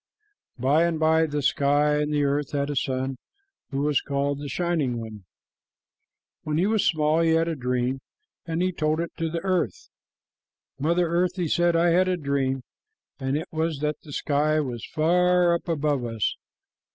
By and by the sky and the earth had a son who was called the Shining One. When he was small, he had a dream, and he told it to the earth. "Mother Earth," he said, "I had a dream, and it was that the sky was far up above us.